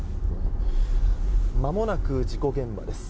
まもなく事故現場です。